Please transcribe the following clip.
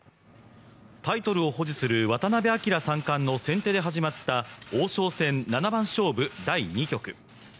タイトルを保持する渡辺明三冠の先手で始まった王将戦七番勝負第２局。